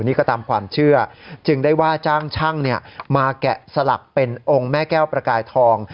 นี่ก็ตามความเชื่อจึงได้ว่าจ้างช่างมาแกะสลักเป็นองค์แม่แก้วประกายทอง